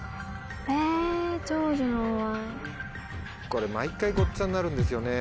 これ毎回ごっちゃになるんですよね。